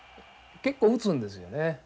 結構打つんですよね。